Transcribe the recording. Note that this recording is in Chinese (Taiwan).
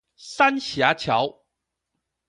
三峽橋